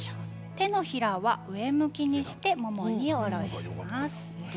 手のひらは上向きにしてももに下ろします。